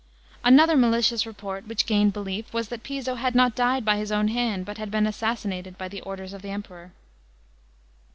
Another malicious report, which gained belief, was that Piso had not died by his own hand, but had been assassinated by the orders of the Emperor.